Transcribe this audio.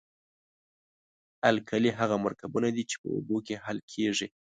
القلي هغه مرکبونه دي چې په اوبو کې حل کیږي.